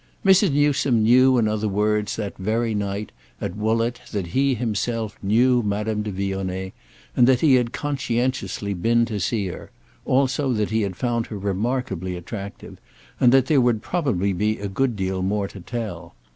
Mrs. Newsome knew in other words that very night at Woollett that he himself knew Madame de Vionnet and that he had conscientiously been to see her; also that he had found her remarkably attractive and that there would probably be a good deal more to tell.